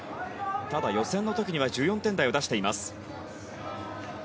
ただ予選の時には１４点台を出しています。